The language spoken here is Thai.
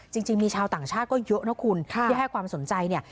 จริงมีชาวต่างชาติก็เยอะนะคุณที่ให้ความสนใจเนี่ย